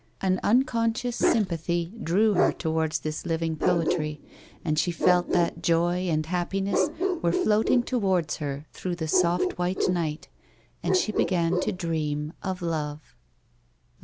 An unconscious sympathy drew her towards this living poetry and she felt that joy and happiness were floating towards her through the soft white night, and she began to dream of love. A WOMAN'S LIFE.